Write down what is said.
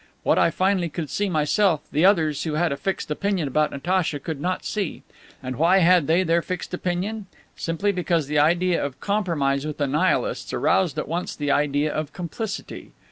What I finally could see myself, the others, who had a fixed opinion about Natacha, could not see. And why had they their fixed opinion? Simply because the idea of compromise with the Nihilists aroused at once the idea of complicity!